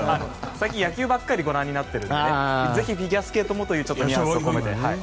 最近野球ばかりご覧になっているのでぜひフィギュアスケートもというのも込めて。